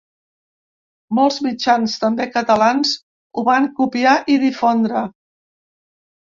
Molts mitjans, també catalans, ho van copiar i difondre.